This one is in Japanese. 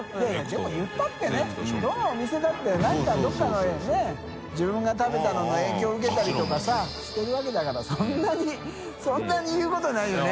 でも言ったってねどのお店だって何かどこかのね自分が食べたのの影響受けたりとかさしてるわけだからそんなに言うことはないよね。